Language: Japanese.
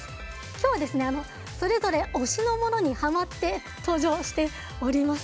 今日はそれぞれ推しのものにハマって登場しております。